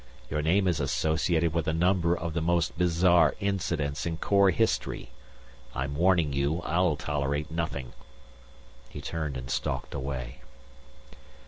Your name is associated with a number of the most bizarre incidents in Corps history. I'm warning you; I'll tolerate nothing." He turned and stalked away.